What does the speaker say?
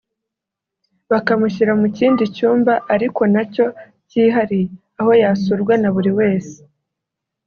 bakamushyira mu kindi cyumba (ariko na cyo cyihariye) aho yasurwa na buri wese